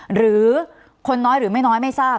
หรือคนน้อยหรือไม่น้อยไม่ทราบ